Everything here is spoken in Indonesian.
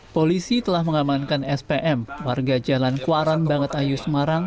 polisi telah mengamankan spm warga jalan kuaran bangat ayu semarang